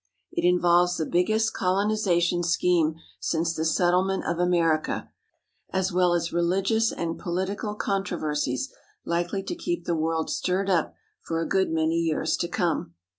It in volves the biggest colonization scheme since the settle ment of America, as well as religious and political controversies likely to keep the world stirred up for a good many years to come.